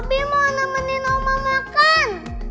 abi mau nemenin omak makan